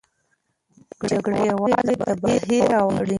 جګړه یوازې تباهي راوړي.